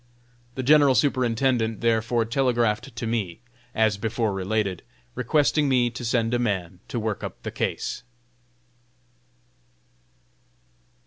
The General Superintendent therefore telegraphed to me, as before related, requesting me to send a man to work up the case.